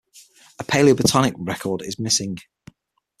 A Paleobotanic record is missing.